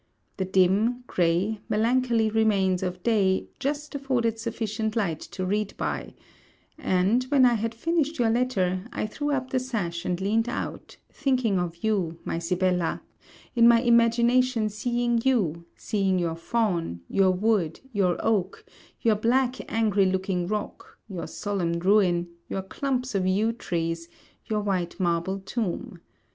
The dim, grey, melancholy remains of day, just afforded sufficient light to read by; and, when I had finished your letter, I threw up the sash and leaned out, thinking of you, my Sibella, in my imagination seeing you, seeing your fawn, your wood, your oak, your black angry looking rock, your solemn ruin, your clumps of yew trees, your white marble tomb.